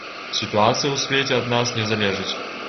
Сітуацыя ў свеце ад нас не залежыць.